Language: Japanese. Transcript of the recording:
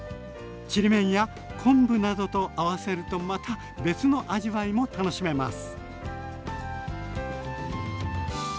ちりめんや昆布などと合わせるとまた別の味わいも楽しめます。